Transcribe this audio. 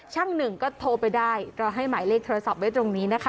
หนึ่งก็โทรไปได้เราให้หมายเลขโทรศัพท์ไว้ตรงนี้นะคะ